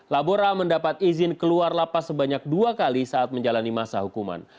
labora mendapat izin keluar lapas sebanyak dua kali saat menjalani masa hukuman